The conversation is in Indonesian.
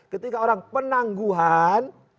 ketika orang penangguhan